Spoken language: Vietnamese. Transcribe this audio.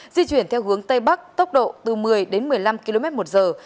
di chuyển theo hướng tây bắc tốc độ từ một mươi đến một mươi năm km một giờ